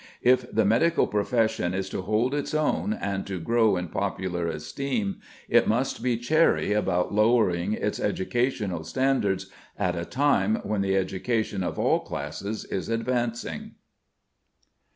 If the medical profession is to hold its own and to grow in popular esteem, it must be chary about lowering its educational standards at a time when the education of all classes is advancing.